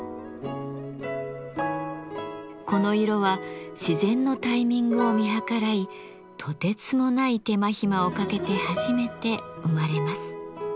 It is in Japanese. この色は自然のタイミングを見計らいとてつもない手間ひまをかけて初めて生まれます。